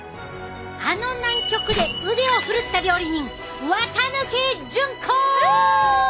あの南極で腕を振るった料理人フ！